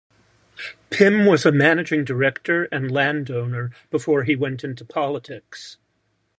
Pym was a managing director and landowner before he went into politics.